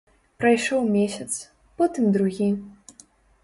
Прайшоў месяц, потым другі.